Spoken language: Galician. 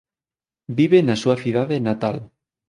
Vive na súa cidade natal.